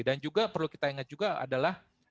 dan juga perlu kita ingat juga adalah